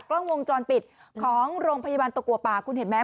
กล้องวงจรปิดของโรงพยาบาลตะกัวป่าคุณเห็นไหม